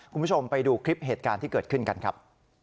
คุณผู้ชมไปดูคลิปเหตุการณ์ที่เกิดขึ้นกันครับ